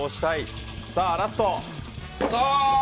さあ、ラスト！